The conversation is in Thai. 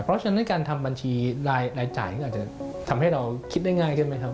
เพราะฉะนั้นการทำบัญชีรายจ่ายก็อาจจะทำให้เราคิดได้ง่ายขึ้นไหมครับ